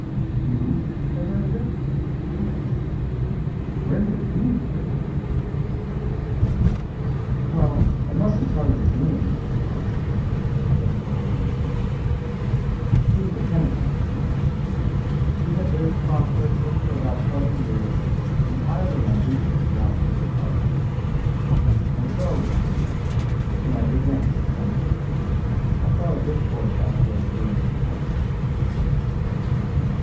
"You have heard of it?" he asked. "Where have you heard of it?" "Well, I mustn't tell you his name, of course," said the little man simply. "He was a penitent, you know. He had lived prosperously for about twenty years entirely on duplicate brown paper parcels. And so, you see, when I began to suspect you, I thought of this poor chap's way of doing it at once."